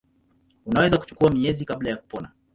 Unaweza kuchukua miezi kabla ya kupona.